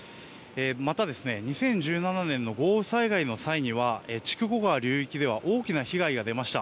また２０１７年の豪雨災害の際には筑後川流域では大きな被害が出ました。